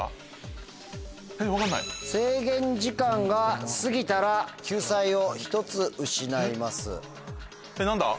制限時間が過ぎたら救済を１つ失います。